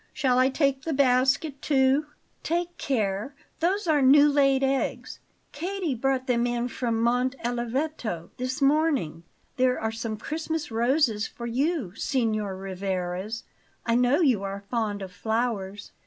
Shall I take the basket, too?" "Take care; those are new laid eggs. Katie brought them in from Monte Oliveto this morning. There are some Christmas roses for you, Signor Rivarez; I know you are fond of flowers."